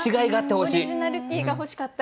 オリジナリティーが欲しかった。